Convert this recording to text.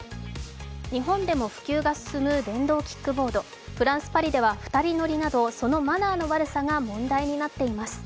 日本でも普及が進む電動キックボード、フランス・パリでは２人乗りなどそのマナーの悪さが問題となっています。